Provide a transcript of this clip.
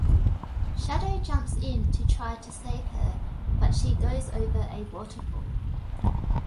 Shadow jumps in to try to save her, but she goes over a waterfall.